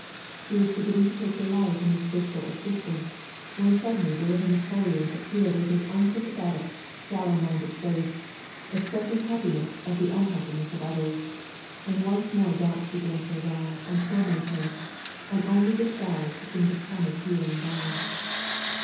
He was beginning to take delight in this blissful existence, when suddenly the little Napoleon jfpeared with his unsympathetic, shallow minded face, express ing happiness at the unhappiness of others, and once more donbts began to arisQ and torment him, and only the skies Seemed to promise healing balm.